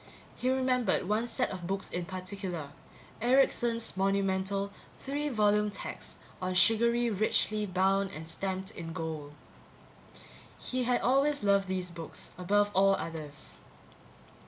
He remembered one set of books in particular Erickson's monumental three volume text on surgery, richly bound and stamped in gold. He had always loved these books, above all others.